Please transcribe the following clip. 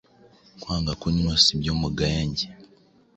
Kwanga kunywa si ibyo mugaya njye :